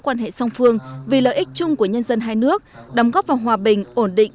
quan hệ song phương vì lợi ích chung của nhân dân hai nước đóng góp vào hòa bình ổn định